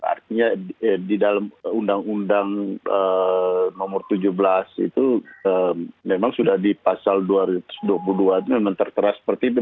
artinya di dalam undang undang nomor tujuh belas itu memang sudah di pasal dua ratus dua puluh dua itu memang tertera seperti itu